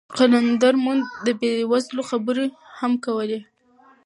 قلندر مومند د بې وزلو خبرې هم کولې.